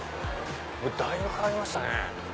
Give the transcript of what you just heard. だいぶ変わりましたね。